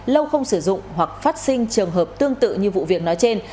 lâu không sử dụng hoặc phát sinh trường hợp tương tự như vụ việc nói trên